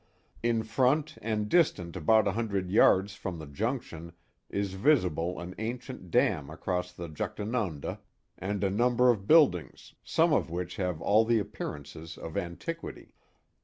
In front and distant about a hundred yards from the junc tion is visible an ancient dam across the Juchtanunda and a number of buildings, some of which have all the appearances of antiquity.